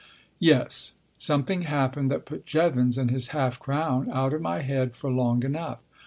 Yes. Something happened that put Jevons and his half crown out of my head for long enough.